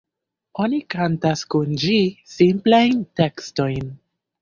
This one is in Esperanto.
Oni kantas kun ĝi simplajn tekstojn.